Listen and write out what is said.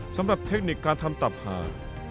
สำหรับเทคนิคการทำตับหา